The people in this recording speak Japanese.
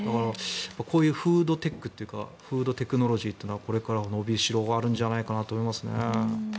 こういうフードテックというかフードテクノロジーというのがこれからのびしろがあるんじゃないかなと思います。